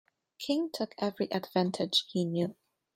King took every advantage he knew.